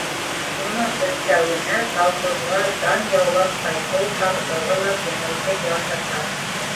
Шуның өҫтәүенә, колхозға дан яулап ҡайтыу шатлығы ла күңелде ярһыта.